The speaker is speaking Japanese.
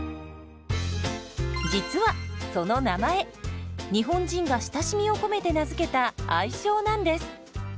実はその名前日本人が親しみを込めて名付けた愛称なんです。